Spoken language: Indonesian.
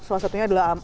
salah satunya adalah